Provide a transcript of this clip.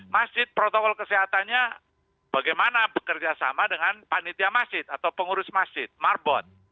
masjid protokol kesehatannya bagaimana bekerja sama dengan panitia masjid atau pengurus masjid marbot